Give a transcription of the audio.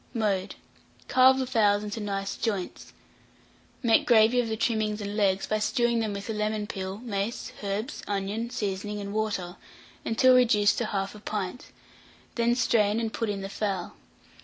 Mode. Carve the fowls into nice joints; make gravy of the trimmings and legs, by stewing them with the lemon peel, mace, herbs, onion, seasoning, and water, until reduced to 1/2 pint; then strain, and put in the fowl.